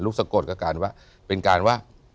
ลูกสะกดก็เป็นการว่า